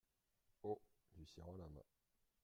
Haut ; lui serrant la main.